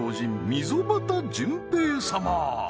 溝端淳平様